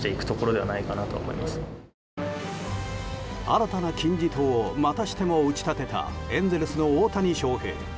新たな金字塔をまたしても打ち立てたエンゼルスの大谷翔平。